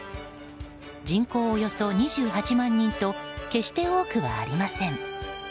人口およそ２８万人と決して多くはありません。